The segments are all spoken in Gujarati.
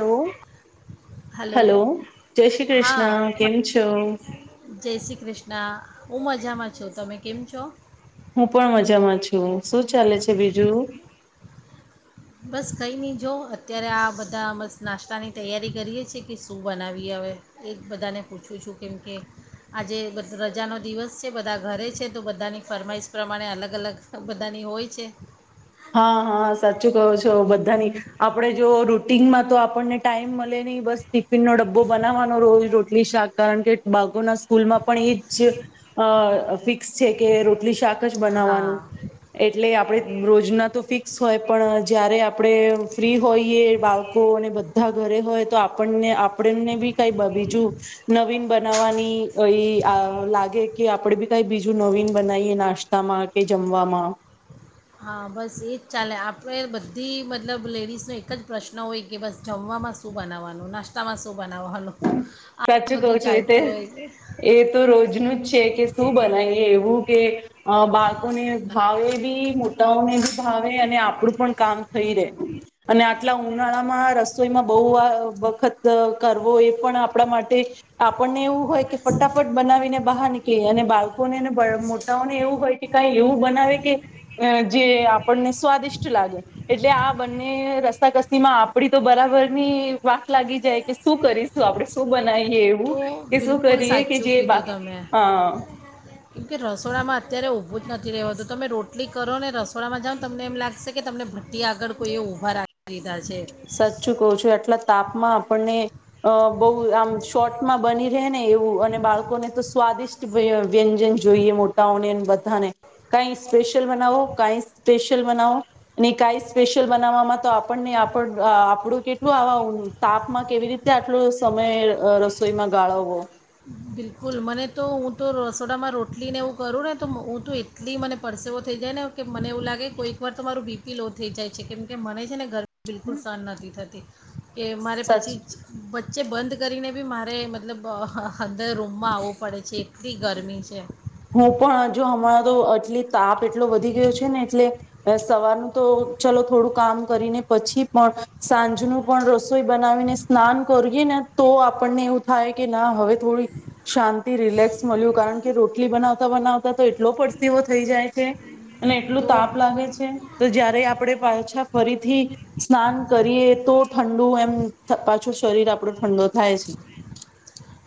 હલો હલો જય શ્રી હા કૃષ્ણ કેમ છો? જય શ્રી કૃષ્ણ હું મજામાં છો તમે કેમ છો? હું પણ મજામાં છું શું ચાલે છે બીજું? બસ કંઈ નહીં જો અત્યારે આ બધા બસ નાસ્તાની તૈયારી કરીએ છેીએ કે શું બનાવીએ હ એ બધાને પૂછું છું કેમ કે આજે રજાનો દિવસ છે બધા ઘરે છે તો બધાની ફરમાઈશ પ્રમાણે અલગ અલગ બધાની હોય છે. હા હા સાચું કહો છો બધાની આપડણે જો રૂટીનમાં તો આપણને ટાઈમ મળે નહી બસ ટિફિનનો ડબ્બો બનાવવાનો રોજ રોટલી શાક કારણ કે બાકોના સ્કૂલમાં પણ એ જ ફિક્સ છે કે રોટલી શાક બનાવાનું હા એટલે આપણે બોજ યો ફિક્સ હોય પણ જ્યારે આપડણે ફ્રી હોઈએ બા અને બધા ઘરે હોય તો આપણને આપણને બી કઈ બીજું નવીન બનાવવાની લાગે કે આપણે બી કઈ બીજું નવીન બનાવીએ નાસ્તામાં કે જમવામાં. હા બસ એજ ચાલે આપ આપ બધી મતલબ લેડીઝનો એક જ પ્રશ્ન હોય કે બસ જમવામાં શું બનાવવાનું નાસ્તામાં શું? બનાવવાનું આ સાચું કવ બધું છું એતે ચાલતું હોય છે એ તો રોજનું જ છે કે શું બનાવીએ એવું. કે બાળકોને ભાવે બી મોટાઓને બી ભાવે અને આપડું પણ કામ થઈ રે અને આટલા ઉનાળા માં રસોઈમાં બહુ વખત કર આવો એ પણ આપણા માટે આપણને એવું હોય કે ફટાફટ બનાવીને બહાર નીકળ અને બાળકોનેને મોટાઓને એવું હોય કે કઈ એવું બનાવે કે જે આપણને સ્વાદિષ્ટ લાગે એટલે આ બંને રસ્તાકસી માં આપડી તો બરાબરની વાક લાગી જાય કે શું કરીશું આપડે શું બનાવીએ તો એવું કે શું બિલકુલ કરીએ કે સાચું જે બા કીધું તમે હા કેમ કે રસોડામાં અત્યારે ઊભું જ નથી રહેવાતું તમે રોટલી કરોને રસોડામાં જાઓ તમને એમ લાગશે કે તમને ભઠ્ટી આગળ કોઈ એ ઊભા રાખી દીધા છે સાચચું કહું છું આટલા તાપમાં આપણને અ બહુ આમ શોર્ટમાં બની રહે ને એવું અને બાળકોને તો સ્વાદિષ્ટ વ્યંજન જોઈએ મોટાઓને બધાને કાઈ સ્પેશિયલ બનાવો કાંઈ સ્પેશિયલ બનાવો ને કાંઈ સ્પેશિયલ બનાવવામાં તો આપણને પણ આપણું કેટલું આવા તાપમાં કેવી રીતે આટલો સમય રસોઈમાં ગાળવવો બિલકુલ મને તો હું તો રસોડામાં રોટલીને એવું કરું ને તો હું તો એટલી મને પરસેવો થઈ જાય ને કે મને એવું લાગે કોઈક વાર તો મારું બીપી લો થઈ જાય છે કેમ કે મને છે ને ગર હમ બિલકુલ શહ નથી થતી કે મારે સચ પછી જ જે બંધ કરીને બી મારે મતલબ ખંદર રૂમમાં આવવું પડે છે એટલી ગરમી છે. હું પણ જો હમણાં તો એટલી તાપ એટલો વધી ગયો છે ને એટલે સવારનું તો ચલો થોડું કામ કરીને પછી પણ સાંજનું પણ રસોઈ બનાવીને સ્નાન કરીએ ને તો આપણને એવું થાય કે ના હવે થોડી શાંતિ રિલેક્સ મળ્યું કારણ કે રો એટલી બનાવતા બનાવતા તો એટલો પડસીવો થઈ જાય છે. અને એટલું તો તાપ લાગે છે. તો જયારે આપણે પાછા ફરીથી સ્નાન કરીએ તો ઠંડુ એમ પાછું શરીર આપણો ઠંડો થાય છે.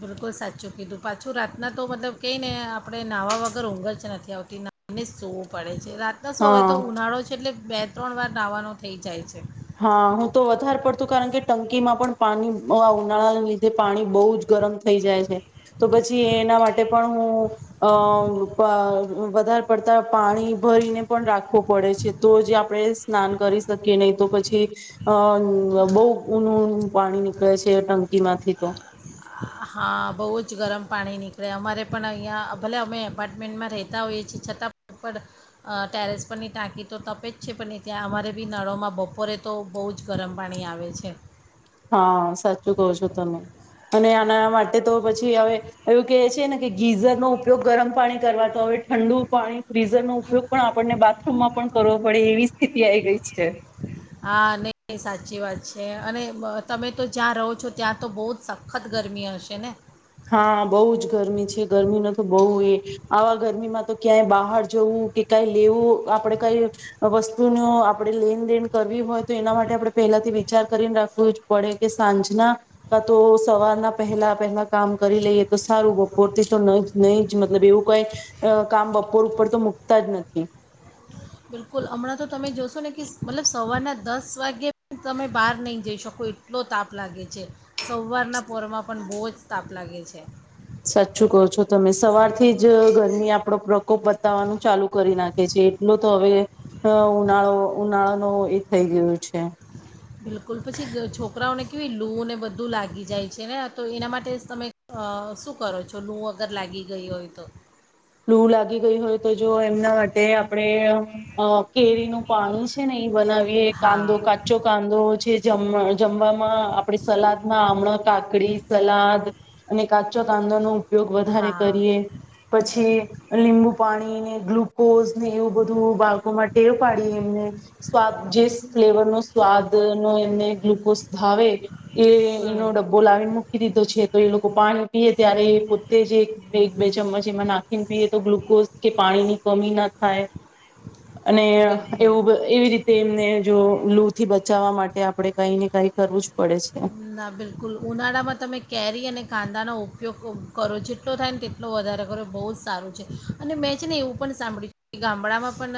બિલકુલ સાચું કીધું પાછું રાતના તો મતલબ કઈ ને આપણે નાહવા વગર ઊંઘર જ નથી આવતી નાને સવું પડે છે છે રાતના શું હવે તો હા ઉનાળો છે એટલે બે ત્રણ વાર નાવાનો થઈ જાય છે. હા હું તો વધારે પડતું કારણ કે ટંકીમાં પણ પાણી ઉનાળાના લીધે પાણી બહુ જ ગરમ થઈ જાય છે તો પછી એના માટે પણ હું અ વધારે પડતા પાણી ભરીને પણ રાખવું પડે છે તો જે આપણે સ્નાન કરી શકીએ નહી તો પછી અ બહુ ઊનુંું પાણી નીકળે છે ટંકી માંથી તો હા બહુ જ ગરમ પાણી નીકળે અમારે પણ અહીંયા ભલે અમે એપાર્ટમેન્ટમાં રહેતા હોઈએ છીએ છતાં પણ પણ ટેરેસ પરની ટાંકી તો તપે જ છે પણહીં ત્યાં અમારે બી નળોમાં બપોરે તો બહુ જ ગરમ પાણી આવે છે. હા સાચું કહો છો તમે અને આના માટે તો પછી હવે એવું ક છે ને કે ગીઝરનો ઉપયોગ ગરમ પાણી કરવા તો હવે ઠંડુ પાણી ફ્રીઝરનો ઉપયોગ પણ આપણને બાથરૂમમાં પણ કરવો પડે એવી સ્થિતિ આ ગઈ છે. હા નને સાચી વાત છે અને તમે તો જ્યાં રહો છો ત્યાં તો બહુ જ સખત ગરમી હશે ને હા બહુ જ ગરમી છે ગરમી ન તો બહઉ એ આવા ગરમીમાં તો ક્યાંય બહાર જવું કે કઈ લેવું આપડે કઈ વસ્તુ ન આપણે લેનદેન કરવી હોય તો એના માટે આપણે પહેલાથી વિચાર કરીને રાખવું જ પડે કે સાંજના કા તો સવારના પહેલા પહેલા કામ કરી લઈએ તો સારું બપોર થી તો ન નહી જ મતલબ એવું કઈ કામ બપોર ઉપર તો મુકતા જ નથી. બિલકુલ હમણાં તો તમે જોશો ને કે મતલબ સવારના દસ વાગે તમે બહાર નહી જઈ શકો એટલો તાપ લાગે છે સવારના પરમાં પણ બહુ જ તાપ લાગે છે. સાચું કહો છો તમે તો સવારથી જ ઘરમી આપડો પ્રકોપ બતાવવાનું ચાલુ કરી નાખે છે એટલો તો હવે ઉનાળો ઉનાળાનો એ થઈ ગયો છે બિલકુલ પછી છોકરાઓને કેવી લૂ ને બધું લાગી જાય છે ને તો એના માટે તમે શું કરો છો લૂ અગર લાગી ગઈ હોય તો લૂ લાગી ગઈ હોય તો જો એમના માટે આપણે કેરીનું પાણી છે ને બનાવીએ હા કાંદો કાચો કાંદો છે. જમ જમવામાં આપણે સલાદમાં આમણો કાકડી સલાદ અને કાચો કાંદા નુ ઉપયોગ વધારે હા કરીએ પછી લીંબુ પાણી ને ગ્લુકોઝ ને એવું બધું બાળકોમાં ટેવ પાડી એમને સ્વાદ જે ફ્લેવર નો સ્વાદ નો એમને ગ્લુકોઝ ધાવે એ હમ એનો ડબ્બો લાવી નાી દીધો છે તો એ લોકો પાણી પીએ ત્યારે એ પોતે જે એક બે ચમ્મચ એમાં નાખ ન પીએ તો ગ્લુકોઝ કે પાણી ની કમી ના થાય. અને બિલકુલ એવું એવી રીતે એમને જો લ થી બચાવવા માટે આપણે કઈ ને કઈ કરવું પડે છે ના બિલકુલ ઉનાળા માં તમે કેરી અને કાંદાનો ઉપયોગ કરો જેટલો થાય ને તેટલો વધારે કરો બહુ જ સારું છે અને મેં છે ને એવું પણ સાંભળ્યું કે ગામડામાં પણ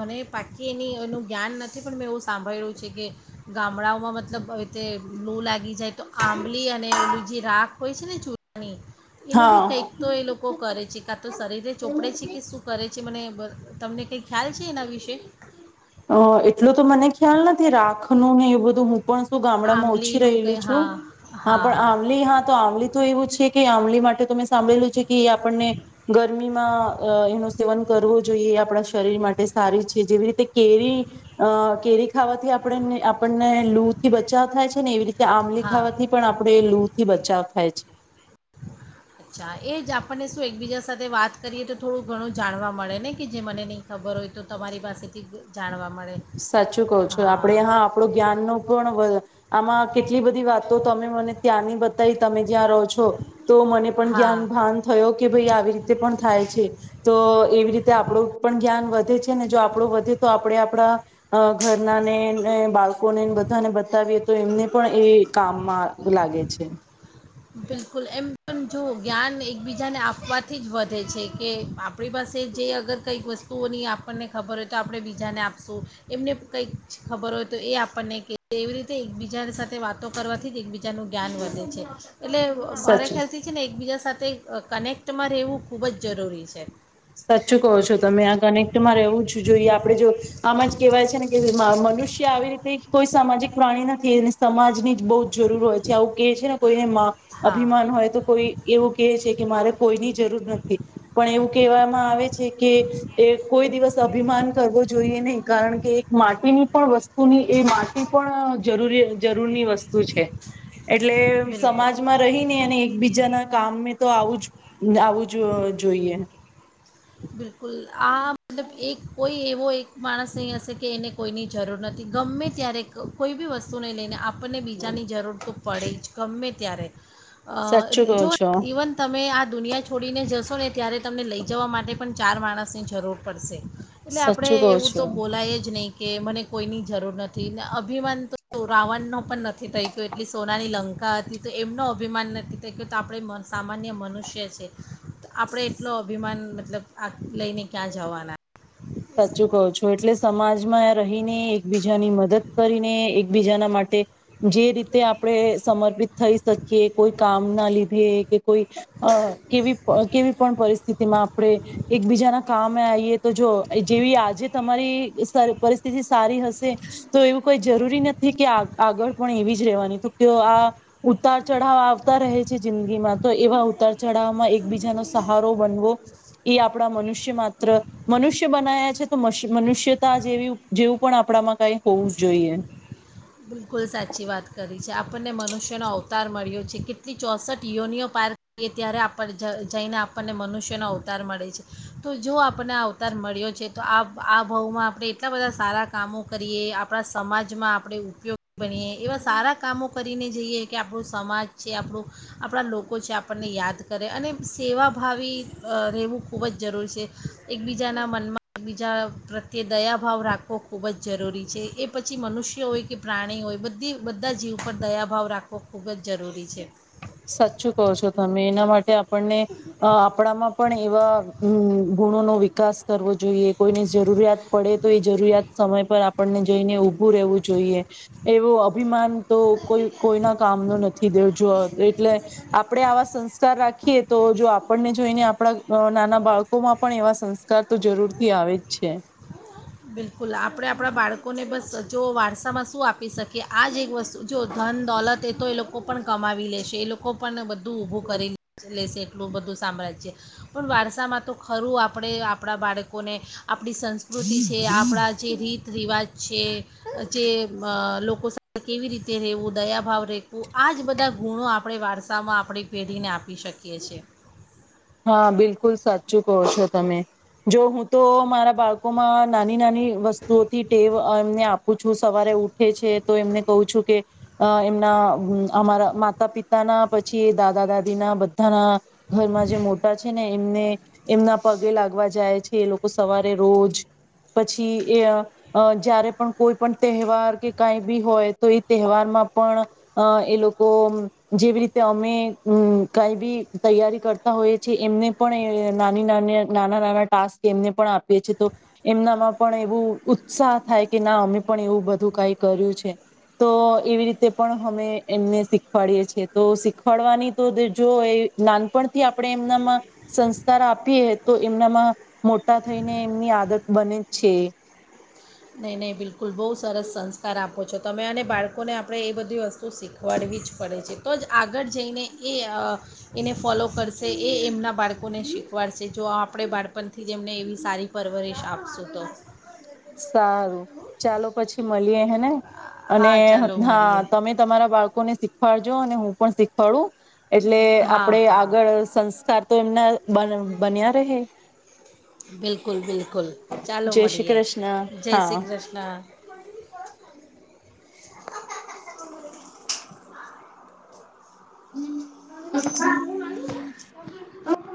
મને પાકી એની એનું જ્ઞાન નથી પણ મેં એવું સાંભળેલ્યું છે કે ગામડાઓમાં મતલબ તે લો લાગી જાય. તો આંબલી અને ઓલુંજી રાખ હોય છે ને ચૂરણી એનું હા બી કંઈક તો એ લોકો કરે છે કાં તો શરીરને ચોપડે છે કે શું કરે છે મને બ તમને કંઈ ખ્યાલ છે એના વિશે. અ એટલોું તો મને ખ્યાલ નથી રાખ ન ને એવું બધું હું પણ હું ગામડામાં ઓછી આંબલીનું રહેલી કંઈ છું હા હા પણ આંબલી હા તો આંબલી તો એવું છે કે આંબલી માટે સાંભળેલું છે કે આપણને ગરમીમાં એનું સેવન કરવું જોઈએ એ આપણા શરીર માટે સારી છે જેવી રીતે કેરી અ કેરી ખાવાથી આપણ આપણને લૂ થી બચાવ થાય છે ને એવી રીતે ત આંમલી હા ખાવાથી પણ આપણેે લ થી બચાવ થાય છે. અચ્છા એ જ આપણને શું એકબીજા સાથે વાત કરીએ તો થોડું ઘણું જાણવા મળે ને કે જે મને નહી ખબર હોય તો તમારી પાસેથી જાણવા મળ સાચું કહું છો આપડે હા આપણો જ્ઞાન ન પણ આમાં કેટલી બધી વાતો તમે મને ત્યાંની બ ત તમે જ્યાં રોજ તો મને પણ હા જ્ઞાન ભાન થયો કે ભાઈ આવી રીતે પણ થાય છે તો એવી રીતે આપણું પણ જ્ઞાન વધ વધે છે ને જો આપણું વધે તો આપડે આપડા અ ઘરના ને બાળ બધાને બતાવીએ તો એમને પણ એ કામમાં લાગે છે. બિલકુલ એમ પણ જોવો જ્ઞાન એકબીજાને આપવાથી જ વધે છે કે આપણી પાસે જે અગર કંઈક વસ્તુઓની આપણને ખબર હોય તો આપણે બીજાને આપશું એમને કંઈક ખબર હોય તો એ આપણને ક એવી રીતે એકબીજા સાથે વાતો કરવાથી જ એકબીજાનું જ્ઞાન વધે છે. એટલે મારે સાચું ખ્યાલથી છે ને એકબીજા સાથે કનેક્ટમાં રહેવું ખૂબ જ જરૂરી છે. સાચું કહો છો તમે આ ગને કનેક્ટ માં રહેવું જ જોઈએ આપડે જો, આમાં જ કહેવાય છે ને કે મનુષ્ય આવી રીતે કોઈ સામાજિક પ્રાણી નથી અને સમાજની જ બહુ જરૂર હોય છે આવું કે છે ને કોઈને માં, હા અભિમાન હોય તો કોઈ એવું કહે છે કે મારે કોઈની જરૂર નથી, પણ એવું ટૂંક માં આવે છે કે, એ કોઈ દિવસ અભિમાન કરવો જોઈએ નહી કારણ કે એક માટીની પણ વસ્તુ ની એ માટી પણ જરૂરી જરૂરની વસ્તું વસ્તુ છે, એટલે બિલકુલ સમાજમાં રહીને અને એકબીજાના કામ તો આવું જ આવું જ જોઈએ. બિલકુલ, આ મતલબ એક કોઈ એવો એક માણસ નહી હશે કે એને કોઈની જરૂર નથી ગમે ત્યારે કોઈ બી વસ્તુ ને લઈને આપ આપણને બીજાની જરૂર તો પડે જ ગમે ત્યારે. અ સાચું એટલે કહો જો છો ઇવન તમે આ દુનિયા છોડીને જશો ને. ત્યારે તમને લઈ જવા માટે. તે માટે પણ ચાર માણસની જરૂર પડશે. એટલે આપણે સાચું કહો એવું છો. તો બોલાય જ નહીં કે કે મને કોઈની જરૂર નથી ને અભિમાન તો રાવણનો પણ નથી થઈ ગયો એટલી સોનાની લંકા હતી તો એમનો અભિમાન નથી થઈ ગયો તો આપણે સામાન્ય મનુષ્ય છે, તો આપણે એટલો અભિમાન મતલબ આગ લઈને ક્યાં જવાના. સાચું કહો છો એટલે સમાજમાં રહીને એકબીજાની મદદ કરીને એકબીજાના માટે જે રીતે આપણેે સમર્પિત થઈ શકીએ કોઈ કામ ના લીધે કે કોઈ, અ એવી કેવી પણ પરિસ્થિતિમાં આપણે, એકબીજાના કામે આઈએ તો જો જેવી આજે તમારી સર પરિસ્થિતિ સારી હશે, તો એવું કઈ જરૂરી નથી કે આગ આગળ પણ એવી જ રહેવાની તો કે આ, ઉતાર ચઢાવ આવતા રહે છે જિંદગી માં તો એવા ઉતાર ચડાવમાં એકબીજાનો સહારો બનવો. એ આપણા મનુષ્ય માત્ર મનુષ્ય, મનુ બનાયા છે તો મનુષ્ય મનુષ્યતા જેવી જેવું પણ આપણામાં કાંઇ હોવું જોઈએ. બિલકુલ સાચી વાત કરી છે આપણને મનુષ્યનો અવતાર મળ્યો છે કેટલી ચોસઠ યોનીઓ પાર કરીએ ત્યારે આપને જઈને આપણને મનુષ્યનો અવતાર મળે છે, તો જો આપણને આ અવતાર મળ્યો છે તો આ આ ભાવમાં આપણે એટલા બધા સારા કામો કરીએ આપણા સમાજમાં આપણે ઉપયોગી બનીએ એવા સારા કામો કરીને જઈએ કે આપણું સમાજ છે આપણું, આપણા લોકો છે આપણને યાદ કરે અને સેવાભાવી અ રહેવું ખૂબ જ જરૂરી છે, એકબીજાના મનમાં એકબીજા પ્રત્યે દયાભાવ રાખવો ખૂબ જ જરૂરી છે એ પછી મનુષ્ય હોય કે પ્રાણી હોય બધી બધા જીવ પર દયાભાવ રાખવો ખૂબ જ જરૂરી છે. સાચું કહો છો તમે એના માટે આપ આપણને, અ આપણામાં પણ એવા ગુણોનો ગુણોનો વિકાસ કરવો જોઈએ કોઈને જરૂરિયાત પડે તો એ જરૂરિયાત સમય પર આપણને જઈને ઊભું રહેવું જોઈએ, એવો અભિમાન તો કોઈ કોઈના કામનો નથી દેવ જોવો તે આપણે આવા સંસ્કાર રાખ રાખીએ તો જો આપણને જોઈને આપણા નાના બાળકોમાં પણ એવા સંસ્કાર તો જરૂર થી આવે જ છે. બિલકુલ આપણે આપણા બાળકોને બસ જો વારસામાં શું આપી શકીએ આ જ એક વસ્તુ જો ધન દોલત એ તો એ લોકો પણ કમાવી લેશે એ લોકો પણ બધું ઊભું કરી લેશે એટલું બધું સામ્રાજ્ય, પણ વારસામાં તો ખરું આપણે આપણા બાળકોને, આપણી સંસ્કૃતિ જે આપણા જે રીત રિવાજ છે, જે લોકો સાથે કેવી રીતે રહેવું દયાભાવ રેખવું આ જ બધા ગુણો આપણે વારસામાં આપણી પેઢીને આપી શકીએ છીએ. હા બિલકુલ સાચું કહો છો તમે, જો હું તો મારા બાળકોમાં નાની નાની વસ્તુઓથી ટેવ એમને આપ છું સવારે ઉઠે છે તો એમને કહું છું કે, એમના અમારા માતા પિતાના પછી દાદા દાદી ના બધાના, ઘરમાં જે મો ને એમને, એમના પગે લાગવા જાય છે એ લોકો સવારે રોજ, પછી એ જયારે પણ કોઈ પણ તહેવાર કે કઈ બી હોય તો એ તહેવારમાં પણ, એ લોકો જેવી રીતે અમે કઈ બી તૈયારી કરતા હોય. છે, એમને પણ એ નાની-નાની નાના-નાના ટાસ્ક એમને પણ આપીએ છીએ, તો એમનામાં પણ એવું ઉત્સાહ થાય કે ના અમે પણ એવું બધું કાઈ કર્યું છે. તો એવી રીતે પણ હમે એમને શીખવાડીએ છીએ તો શીખવાડવાની તો જો એ નાનપણથી આપ પણે એમનામાં સંસ્કાર આપીએ તો એમનામાં મોટા થઈને એમની આદત બને છે. નહીં-નહીં બિલકુલ. બહુ સરસ સંસ્કાર આપો છો તમે, અને બાળકોને આપણે એ બધી વસ્તુ શીખવાડવી જ પડે છે, તો જ આગળ જઈને એ અહ એને ફોલો કરશે, એ એમના બાળકોને શીખવાડશે. જો આ આપણે બાળપણથી જ એમને એવી સારી પરવરિશ આપશું તો. સારું ચાલો પછી મળીએ હે ને. અને હા ચાલો હા મળીએ તમે તમારા બાળક લોકોને શીખવાડજો અને હું પણ શીખવાડું. એટલે હા આપડે હા આગળ સંસ્કાર તો એમના બન બન્યા રહે બિલકુલ બિલકુલ ચાલો જય શ્રી મળીએ કૃષ્ણ જય હા શ્રી કૃષ્ણ. [inaudible] હું. પપ્પા [unintelligible]